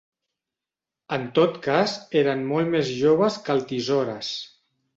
En tot cas, eren molt més joves que el Tisores.